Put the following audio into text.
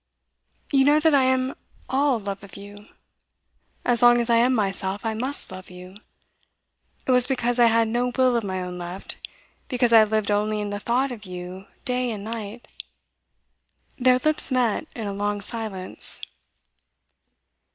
'You know that I am all love of you. As long as I am myself, I must love you. It was because I had no will of my own left, because I lived only in the thought of you day and night ' Their lips met in a long silence.